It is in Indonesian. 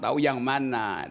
tahu yang mana